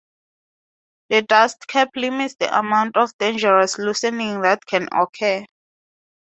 The dust cap limits the amount of dangerous loosening that can occur.